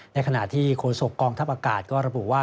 ในขณะที่โฆษกองทัพอากาศก็ระบุว่า